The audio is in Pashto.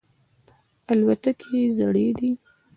الوتکې یې زړې دي.